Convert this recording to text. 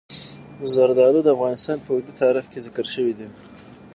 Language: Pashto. زردالو د افغانستان په اوږده تاریخ کې ذکر شوي دي.